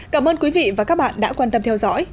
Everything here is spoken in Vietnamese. cảm ơn quý vị và các bạn đã quan tâm theo dõi